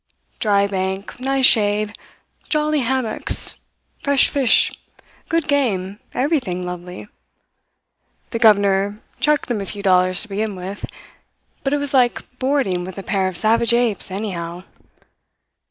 Dry bank, nice shade, jolly hammocks, fresh fish, good game, everything lovely. The governor chucked them a few dollars to begin with; but it was like boarding with a pair of savage apes, anyhow.